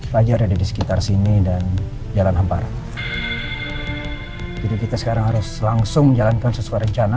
pelajar ada di sekitar sini dan jalan hamparan jadi kita sekarang harus langsung menjalankan sesuai rencana